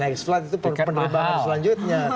next slide itu penerbangan selanjutnya